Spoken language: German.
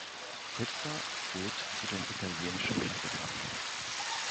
Pizza zählt zu den italienischen Klassikern.